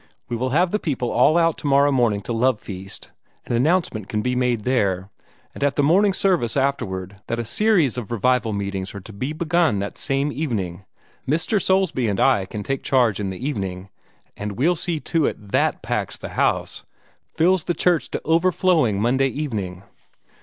We will have the people all out tomorrow morning to love feast, and announcement can be made there, and at the morning service afterward, that a series of revival meetings are to be begun that same evening. Mr. Soulsby and I can take charge in the evening, and we'll see to it that THAT packs the house fills the church to overflowing Monday evening.